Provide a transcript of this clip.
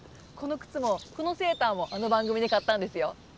このくつもこのセーターもあの番組で買ったんですよ。